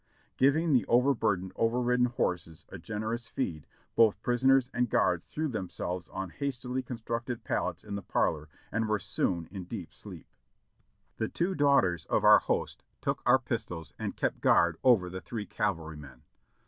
Giving the over burdened, over ridden horses a generous feed, both prisoners and guards threw themselves on hastily constructed pallets in the parlor and were soon in deep sleep. The two daughters of our host took our pistols and kept guard over the three cavalrymen.